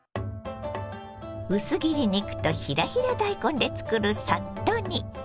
薄切り肉とひらひら大根で作るサッと煮。